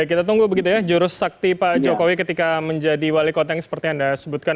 kita tunggu begitu ya jurus sakti pak jokowi ketika menjadi wali kota yang seperti anda sebutkan